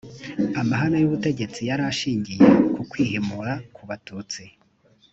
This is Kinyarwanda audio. amahame y’ubutegetsi yari ashingiye ku kwihimura ku batutsi